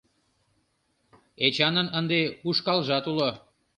Эчанын ынде ушкалжат уло.